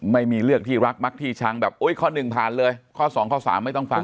ไม่มีเลือกที่รักมักที่ชังแบบอุ้ยข้อหนึ่งผ่านเลยข้อสองข้อสามไม่ต้องฟัง